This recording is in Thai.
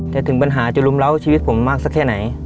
ถึงปัญหาจะรุมเล้าชีวิตผมมากสักแค่ไหน